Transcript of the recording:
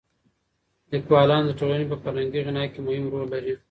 ليکوالان د ټولني په فرهنګي غنا کي مهم رول لري.